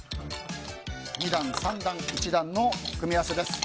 ２段、３段、１段の組み合わせです。